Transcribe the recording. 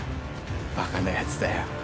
バカなやつだよ